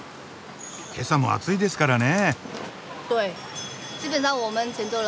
けさも暑いですからね。